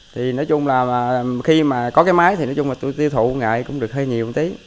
thì nói chung là khi mà có cái máy thì nói chung là tiêu thụ nghệ cũng được hơi nhiều một tí